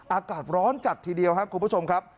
อากาศร้อนจัดทีเดียวครับคุณผู้ชมครับ